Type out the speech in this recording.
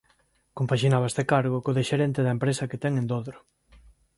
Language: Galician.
Compaxinaba este cargo co de xerente da empresa que ten en Dodro.